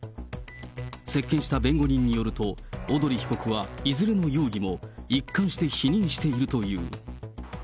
接見した弁護人によると、小鳥被告はいずれの容疑も一貫して否認しているという。